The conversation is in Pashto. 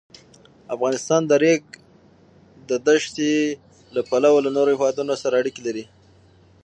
افغانستان د د ریګ دښتې له پلوه له نورو هېوادونو سره اړیکې لري.